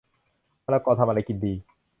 มะละกอทำอะไรกินดี